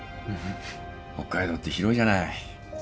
北海道って広いじゃない。